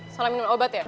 salah minum obat ya